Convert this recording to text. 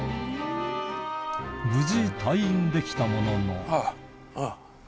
無事退院できたものの。